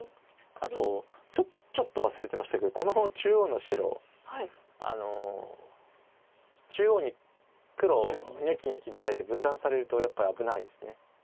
あとちょっと忘れてましたけどこの中央の白中央に黒ニョキニョキ出られて分断されるとやっぱり危ないです。